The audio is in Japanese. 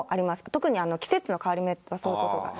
特に季節の変わり目はそういうことが。